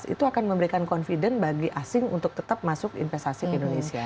itu akan memberikan confident bagi asing untuk tetap masuk investasi ke indonesia